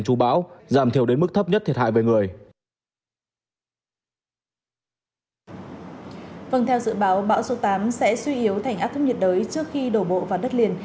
vâng theo dự báo bão số tám sẽ suy yếu thành áp thấp nhiệt đới trước khi đổ bộ vào đất liền